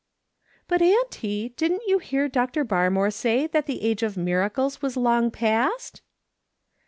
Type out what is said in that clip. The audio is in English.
'"" But, auntie, didn't you hear Dr. Barmore say that the age of miracles was long past